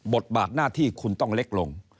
บทบาทหน้าที่คุณต้องเล็กลง